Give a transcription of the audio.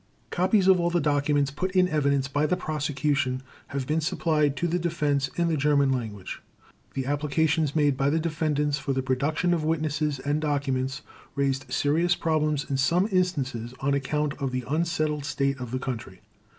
Copies of all the documents put in evidence by the Prosecution have been supplied to the Defense in the German language. The applications made by the defendants for the production of witnesses and documents raised serious problems in some instances, on account of the unsettled state of the Country.